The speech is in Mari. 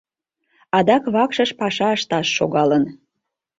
Адак вакшыш паша ышташ шогалын.